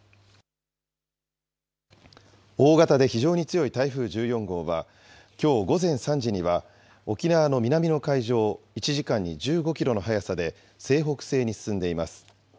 大型で非常に強い台風１４号は、きょう午前３時には沖縄の南の海上を１時間に１５キロの速さで西北西に進んでいます。